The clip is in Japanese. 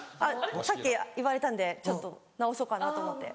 さっき言われたんでちょっと直そうかなと思って。